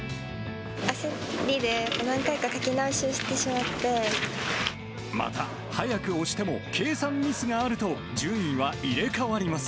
焦りで、何回か書き直しをしまた、早く押しても、計算ミスがあると、順位は入れ代わります。